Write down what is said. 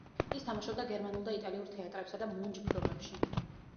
ის თამაშობდა გერმანულ და იტალიურ თეატრებსა და მუნჯ ფილმებში.